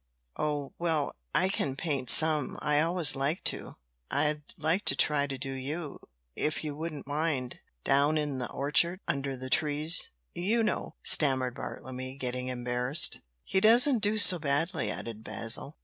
"Oh, well, I can paint some I always liked to. I'd like to try to do you, if you wouldn't mind, down in the orchard, under the trees, you know," stammered Bartlemy, getting embarrassed. "He doesn't do so badly," added Basil.